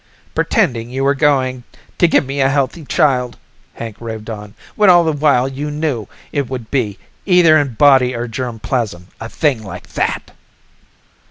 "Pretending you were going to give me a healthy child," Hank raved on, "when all the while you knew it would be either in body or germ plasm a thing like that!"